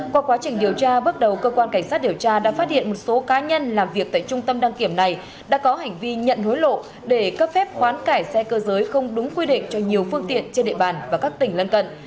qua quá trình điều tra bước đầu cơ quan cảnh sát điều tra đã phát hiện một số cá nhân làm việc tại trung tâm đăng kiểm này đã có hành vi nhận hối lộ để cấp phép khoán cải xe cơ giới không đúng quy định cho nhiều phương tiện trên địa bàn và các tỉnh lân cận